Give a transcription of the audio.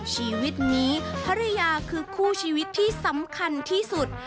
ชีวิตนี้ภรรยาคือคู่ชีวิตที่สำคัญที่สุด